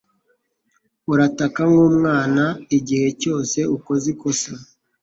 Urataka nk'umwana igihe cyose ukoze ikosa